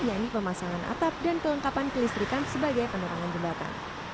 yaitu pemasangan atap dan kelengkapan kelistrikan sebagai penerangan jembatan